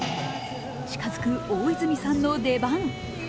近づく大泉さんの出番。